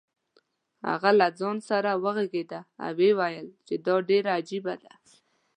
هغه له ځان سره وغږېد او ویې ویل چې دا ډېره عجیبه ده.